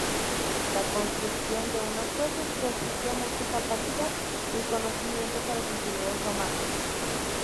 La construcción de un acueducto exigía mucha capacidad y conocimientos a los ingenieros romanos.